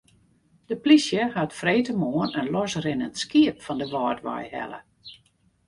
De polysje hat freedtemoarn in losrinnend skiep fan de Wâldwei helle.